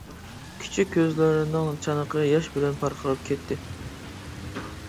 كىچىك كۆزلىرىنىڭ چانىقى ياش بىلەن پارقىراپ كەتتى.